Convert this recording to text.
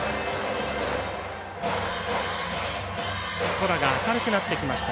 空が明るくなってきました。